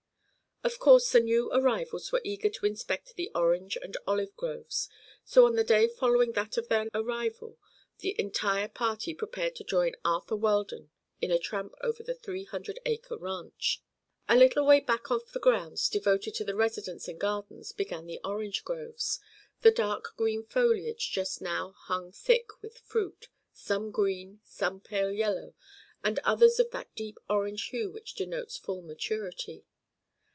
Of course the new arrivals were eager to inspect the orange and olive groves, so on the day following that of their arrival the entire party prepared to join Arthur Weldon in a tramp over the three hundred acre ranch. A little way back of the grounds devoted to the residence and gardens began the orange groves, the dark green foliage just now hung thick with fruit, some green, some pale yellow and others of that deep orange hue which denotes full maturity.